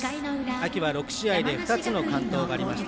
秋は６試合で２つの完投がありました。